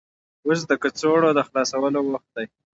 اوس د کڅوړو د خلاصولو وخت دی.